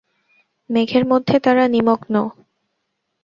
মেঘের মধ্যে তারা নিমগ্ন।